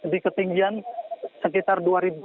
di ketinggian sekitar dua ribu